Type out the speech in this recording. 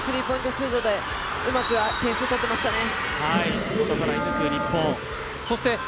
シュートでうまく点数を取っていましたね。